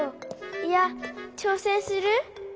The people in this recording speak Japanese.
いやちょうせんする？